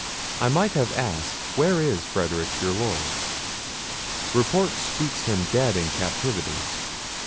I might have asked, where is Frederic your Lord? Report speaks him dead in captivity.